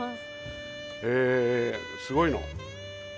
えすごいの。